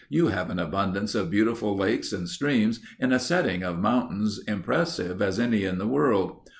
"You have an abundance of beautiful lakes and streams in a setting of mountains impressive as any in the world.